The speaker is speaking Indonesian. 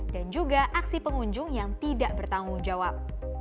dan juga aksi pengunjung yang tidak bertanggung jawab